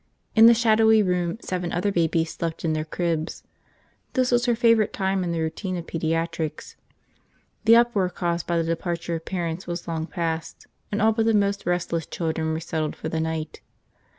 In the shadowy room seven other babies slept in their cribs. This was her favorite time in the routine of pediatrics. The uproar caused by the departure of parents was long past and all but the most restless children were settled for the night.